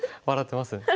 笑ってます。